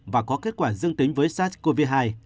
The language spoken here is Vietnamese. và có kết quả dương tính với sars cov hai